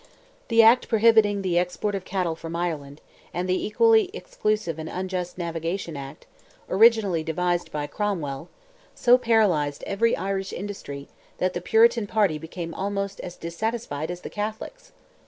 The act prohibiting the export of cattle from Ireland, and the equally exclusive and unjust Navigation Act—originally devised by Cromwell—so paralyzed every Irish industry, that the Puritan party became almost as dissatisfied as the Catholics.